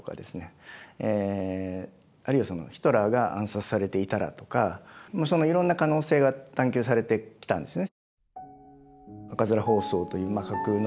あるいはヒトラーが暗殺されていたらとかいろんな可能性が探求されてきたんですね。